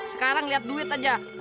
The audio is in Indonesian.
sekarang lihat duit aja